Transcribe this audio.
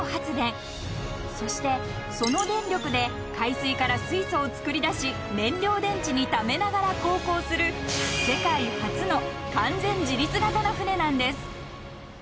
［そしてその電力で海水から水素を作り出し燃料電池にためながら航行する世界初の完全自立型の船なんです］